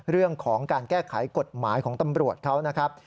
เรื่องของการแก้ไขกฎหมายของตำรวจเขานะครับ